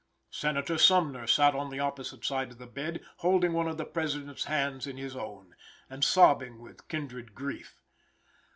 Senator Sumner sat on the opposite side of the bed, holding one of the President's hands in his own, and sobbing with kindred grief.